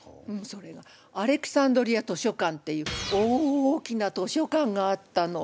それがアレキサンドリア図書館っていう大きな図書館があったの。